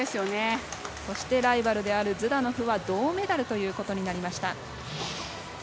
そしてライバルのズダノフは銅メダルということになりました。